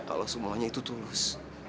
kalau semuanya itu tulus